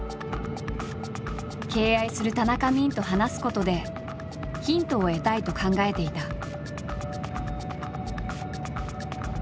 敬愛する田中泯と話すことでヒントを得たいと考えていた。